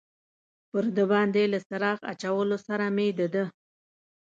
پر ده باندې له څراغ اچولو سره مې د ده.